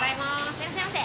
いらっしゃいませ。